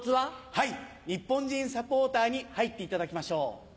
はい日本人サポーターに入っていただきましょう。